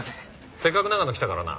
せっかく長野来たからな。